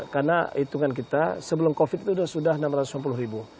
karena hitungan kita sebelum covid itu sudah enam ratus sembilan puluh ribu